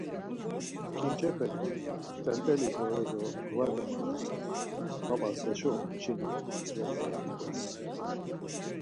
Ǩinçepek, T̆ent̆eli bore do var memalasen, mapas heşo umçinit mitzves ya tkvez.